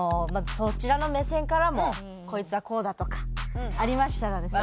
そちらの目線からも「こいつはこうだ」とかありましたらですね